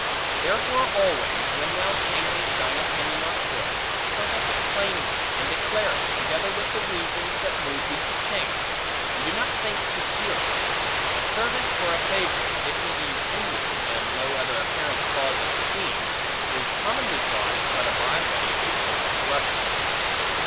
Therefore always, when thou changest thine opinion or course, profess it plainly, and declare it, together with the reasons that move thee to change; and do not think to steal it. A servant or a favorite, if he be inward, and no other apparent cause of esteem, is commonly thought, but a by way to close corruption.